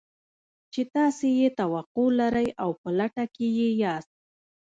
چې تاسې يې توقع لرئ او په لټه کې يې ياست.